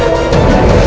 aku sudah menang